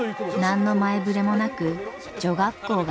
何の前触れもなく女学校が廃止に。